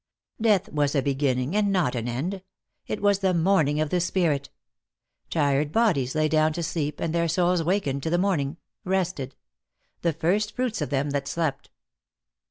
Death was a beginning and not an end; it was the morning of the spirit. Tired bodies lay down to sleep and their souls wakened to the morning, rested; the first fruits of them that slept.